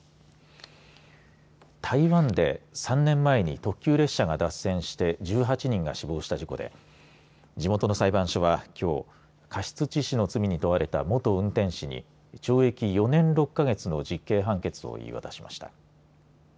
台湾で３年前に特急列車が脱線して１８人が死亡した事故で地元の裁判所は、きょう過失致死の罪に問われた元運転士に懲役４年６か月の実刑判決を言い渡しました。